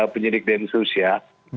penyidik densus ya